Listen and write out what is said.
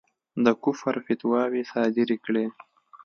د کُفر فتواوې صادري کړې.